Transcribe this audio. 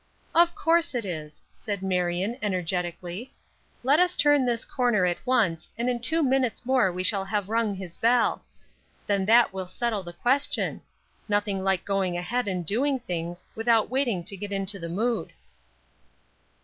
"Of course it is," Marion said, energetically. "Let us turn this corner at once, and in two minutes more we shall have rung his bell; then that will settle the question. Nothing like going ahead and doing things, without waiting to get into the mood."